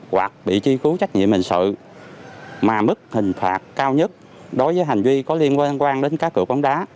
hoặc bị chi cứu trách nhiệm hình sự mà mức hình phạt cao nhất đối với hành vi có liên quan đến cá cực bóng đá